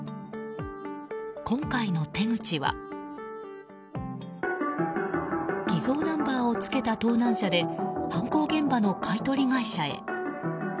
今回の手口は偽造ナンバーをつけた盗難車で犯行現場の買い取り会社へ。